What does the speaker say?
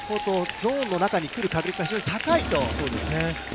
ゾーンの中に来る確率が非常に高いと。